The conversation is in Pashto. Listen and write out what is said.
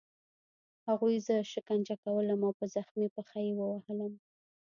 هغوی زه شکنجه کولم او په زخمي پښه یې وهلم